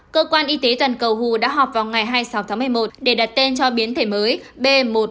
cơ quan y tế toàn cầu who đã họp vào ngày hai mươi sáu tháng một mươi một để đặt tên cho biến thể mới b một một năm trăm hai mươi chín